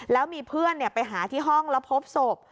แล้วมีเพื่อนไปหาที่ห้องแล้วพบศพ